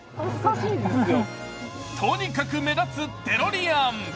とにかく目立つデロリアン。